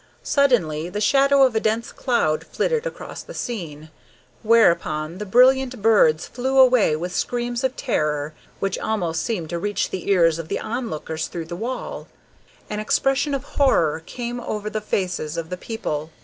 Suddenly the shadow of a dense cloud flitted across the scene; whereupon the brilliant birds flew away with screams of terror which almost seemed to reach the ears of the onlookers through the wall. An expression of horror came over the faces of the people.